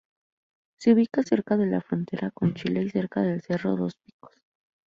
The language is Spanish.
Se ubica cerca de la frontera con Chile y cerca del cerro Dos Picos.